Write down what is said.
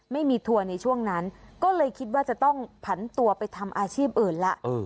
ทัวร์ในช่วงนั้นก็เลยคิดว่าจะต้องผันตัวไปทำอาชีพอื่นละ